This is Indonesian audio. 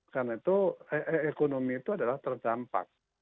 karena itu ekonomi itu adalah terdampak